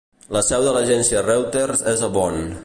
La seu de l'agència Reuters és a Bonn.